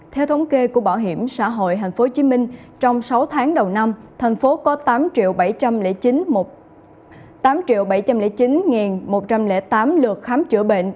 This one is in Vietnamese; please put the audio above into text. theo thống kê của bảo hiểm xã hội tp hcm trong sáu tháng đầu năm thành phố có tám bảy trăm linh chín một trăm linh tám lượt khám chữa bệnh